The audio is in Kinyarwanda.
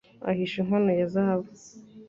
ahisha inkono ya zahabu